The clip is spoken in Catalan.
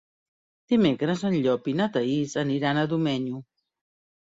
Dimecres en Llop i na Thaís aniran a Domenyo.